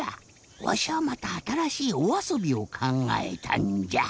わしゃあまたあたらしいおあそびをかんがえたんじゃ。